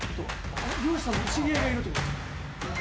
漁師さんのお知り合いがいるってことですか？